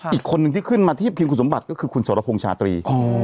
อีกคนนึงที่ขึ้นมาเทียบทีมคุณสมบัติก็คือคุณสรพงษ์ชาตรี